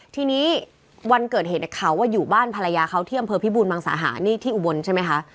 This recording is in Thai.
ทีนี้วันเกิดเหตุเขาอยู่บ้านภรรยาเขาที่อำเภอพิบูรมังสาหานี่ที่อุบลใช่ไหมคะ